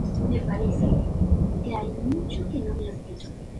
Se utilizan óvulos humanos saludables de una segunda madre.